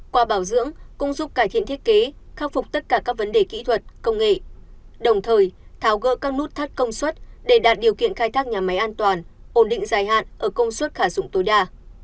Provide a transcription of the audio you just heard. qua bảo dưỡng cũng giúp cải thiện thiết kế khắc phục tất cả các vấn đề kỹ thuật công nghệ đồng thời tháo gỡ các nút thắt công suất để đạt điều kiện khai thác nhà máy an toàn ổn định dài hạn ở công suất khả dụng tối đa